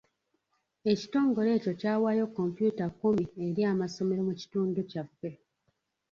Ekitongole ekyo kyawaayo kompyuta kkumi eri amasomero mu kitundu kyaffe.